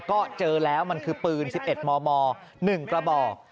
ก็เจอแล้วมันคือปืน๑๑มม๑กระบอก